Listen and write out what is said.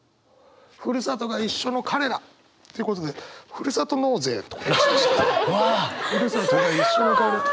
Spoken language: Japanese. ふるさとが一緒の彼らってことでふるさとが一緒の彼ら。